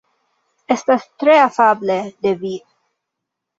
Estas tre afable de vi.